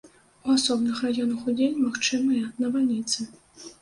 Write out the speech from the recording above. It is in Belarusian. У асобных раёнах удзень магчымыя навальніцы.